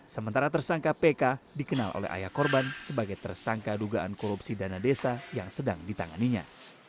sementara tersangka pk dikenal oleh ayah korban sebagai tersangka dugaan korupsi dana desa yang sedang ditanganinya